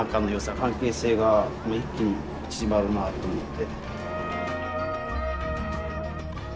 関係性が一気に縮まるなと思って。